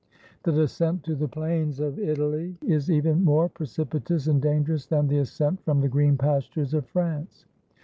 The descent to the plains of Italy is even more precipitous and dangerous than the ascent from the green pastures of France.